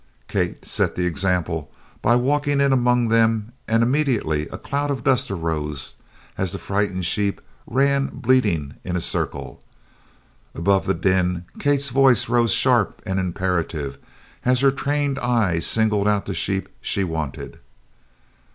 Kate set the example by walking in among them, and immediately a cloud of dust arose as the frightened sheep ran bleating in a circle. Above the din Kate's voice rose sharp and imperative as her trained eye singled out the sheep she wanted.